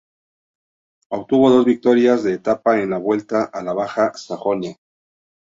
Obtuvo dos victorias de etapa en la Vuelta a la Baja Sajonia.